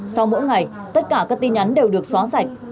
sau mỗi ngày tất cả các tin nhắn đều được xóa sạch